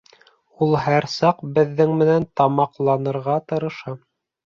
Ул һәр саҡ беҙҙең менән тамаҡланырға тырыша.